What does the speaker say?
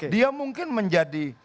dia mungkin menjadi